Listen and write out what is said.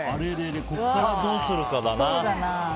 ここからどうするかだな。